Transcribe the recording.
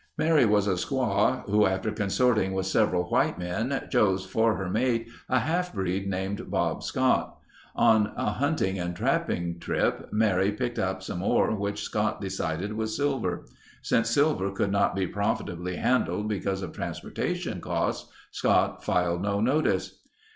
Mary was a squaw who, after consorting with several white men, chose for her mate a half breed named Bob Scott. On a hunting and trapping trip Mary picked up some ore which Scott decided was silver. Since silver could not be profitably handled because of transportation costs, Scott filed no notice.